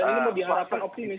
dan ini berdiharapan optimis